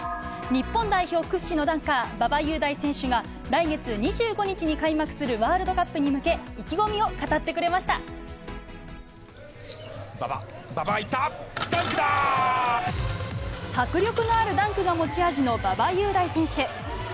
日本代表屈指のダンカー、馬場雄大選手が来月２５日に開幕するワールドカップに向け、馬場、迫力のあるダンクが持ち味の馬場雄大選手。